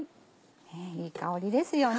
いい香りですよね。